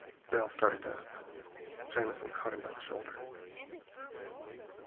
Bell started up. Jamison caught him by the shoulder.